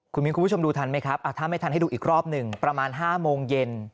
คุณมิ้นคุณผู้ชมดูทันไหมครับถ้าไม่ทันให้ดูอีกรอบหนึ่งประมาณ๕โมงเย็น